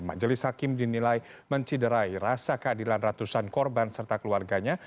majelis hakim dinilai menciderai rasa keadilan ratusan korban serta keluarganya